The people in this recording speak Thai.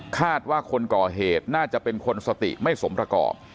คาดว่าคนก่อเหตุน่าจะเป็นคนสติไม่สมประกอบ